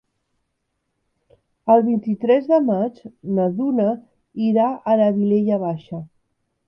El vint-i-tres de maig na Duna irà a la Vilella Baixa.